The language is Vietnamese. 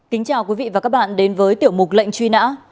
kính chào quý vị và các bạn đến với tiểu mục lệnh truy nã